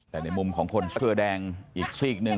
แต่ในมุมของคนเสื้อแดงอีกซีกหนึ่ง